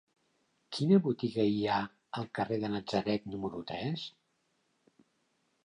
Quina botiga hi ha al carrer de Natzaret número tres?